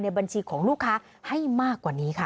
บัญชีของลูกค้าให้มากกว่านี้ค่ะ